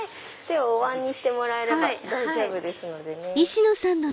手をおわんにしてもらえれば大丈夫ですのでね。